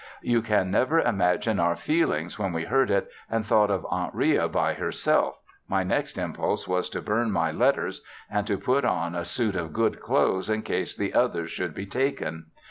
You can never imagine our feelings when we heard it and thought of Aunt Ria by herself, my first impulse was to burn my letters and to put on a suit of good clothes in case the others should be taken.